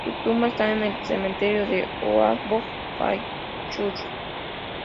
Su tumba está en el cementerio de Oakwood, Falls Church.